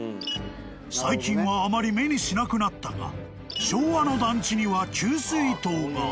［最近はあまり目にしなくなったが昭和の団地には給水塔が］